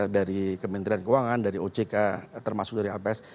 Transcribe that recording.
dari kementerian keuangan dari ojk termasuk dari lps